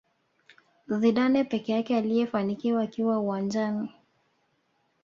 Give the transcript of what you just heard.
Zidane peke yake aliyefanikiwa akiwa uwanjani